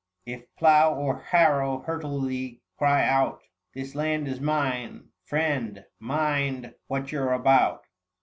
If plough or harrow hurtle thee, cry out, [725 " This land is mine ; friend, mind what you're about."